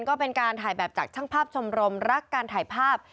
ก็เป็นการถ่ายแบบจากช่างภาพชมรมรักการถ่ายภาพ